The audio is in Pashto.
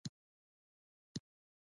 آیا دوی د سپین ږیرو خیال نه ساتي؟